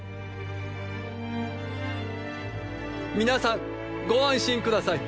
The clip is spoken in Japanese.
皆さんご安心下さい！